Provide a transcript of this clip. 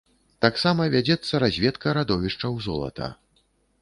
Таксама вядзецца разведка радовішчаў золата.